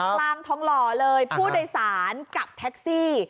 ทองหล่อเลยผู้โดยสารกับแท็กซี่